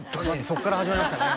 そっから始まりましたね